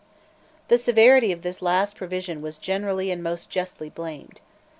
The severity of this last provision was generally and most justly blamed.